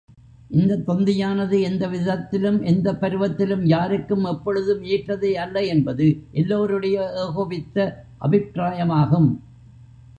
இந்தத் தொந்தியானது எந்த விதத்திலும், எந்தப் பருவத்திலும் யாருக்கும் எப்பொழுதும் ஏற்றதே அல்ல என்பது, எல்லோருடைய ஏகோபித்த அபிப்ராயமாகும்.